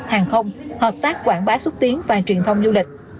hàng không hợp tác quảng bá xúc tiến và truyền thông du lịch